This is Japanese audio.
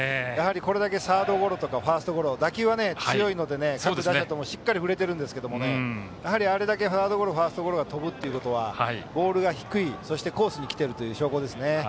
サードゴロとかファーストゴロ打球は強いので各打者ともしっかり振れてるんですがやはりサードゴロファーストゴロがあれだけ飛ぶということはボールが低い、そしてコースに来ている証拠ですね。